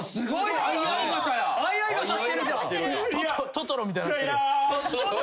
・トトロみたいになってる。